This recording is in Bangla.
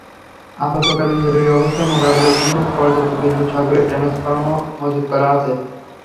আপত্কালীন জরুরি অবস্থা মোকাবিলার জন্য পর্যাপ্ত বিদ্যুৎ সরবরাহের ট্রান্সফরমারও মজুত করা আছে।